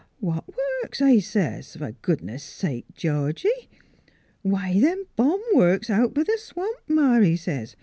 ' What works? ' I says, ' fer good ness sake, Georgie !'' Why, them bomb works out b' th' swamp, ma,' he says.